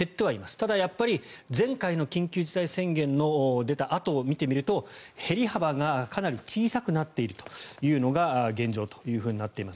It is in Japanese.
ただ、やっぱり前回の緊急事態宣言の出たあとを見てみると減り幅がかなり小さくなっているというのが現状となっています。